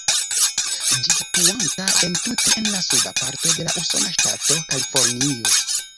Ĝi situanta entute en la suda parto de la usona ŝtato Kalifornio.